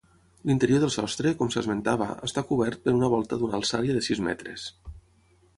L'interior del sostre, com s'esmentava, està cobert per una volta d'una alçària de sis metres.